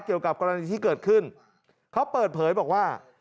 เกี่ยวกับกรณีที่เกิดขึ้นเขาเปิดเผยบอกว่า